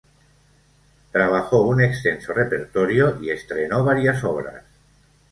Trabajó un extenso repertorio y estrenó varias obras.